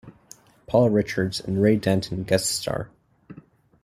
Paul Richards and Ray Danton guest star.